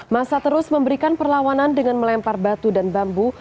masa terus memberikan perlawanan dengan melempar batu dan bambu